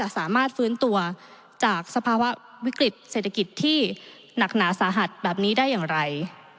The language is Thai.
สามารถฟื้นตัวจากสภาวะวิกฤตเศรษฐกิจที่หนักหนาสาหัสแบบนี้ได้อย่างไร